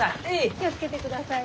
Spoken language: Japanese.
気を付けてくださいね。